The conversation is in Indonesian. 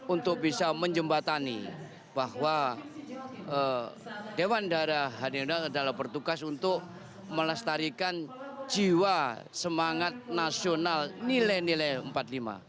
untuk bisa menjembatani bahwa dewan darah hadian adalah bertugas untuk melestarikan jiwa semangat nasional nilai nilai empat puluh lima